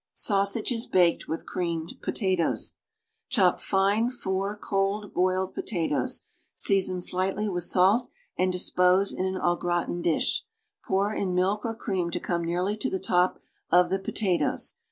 SAUSAGES BAKED, WITH CREAMED POTATOES Chop fine four cold, boiled potatoes; season slightly with salt and dispose in an au gratin dish. Pour in milk or cream to come nearly to the top of the pota toes.